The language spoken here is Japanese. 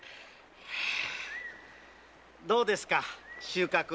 どうですか収穫は？